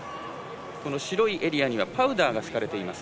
白いエリアにはパウダーが敷かれています。